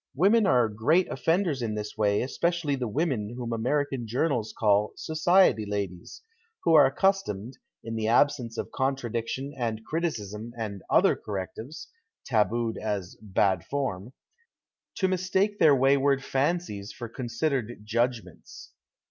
Women are great offenders in this way, especially the women whom American journals call " Society Ladies "— who are accustomed, in the absence of contradiction and criticism and other correctives (tabooed as " bad form "), to mistake their wayward fancies for con sidered judgments.